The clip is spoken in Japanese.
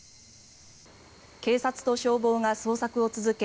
警察と消防が捜索を続け